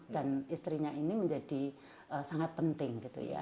dan istrinya ini menjadi sangat penting